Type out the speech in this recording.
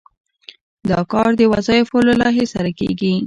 دا کار د وظایفو له لایحې سره کیږي.